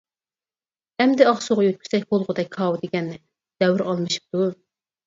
ئەمدى ئاقسۇغا يۆتكىسەك بولغۇدەك كاۋا دېگەننى، دەۋر ئالمىشىپتۇ.